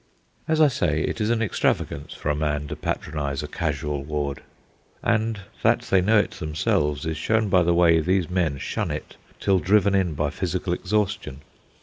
As I say, it is an extravagance for a man to patronise a casual ward. And that they know it themselves is shown by the way these men shun it till driven in by physical exhaustion.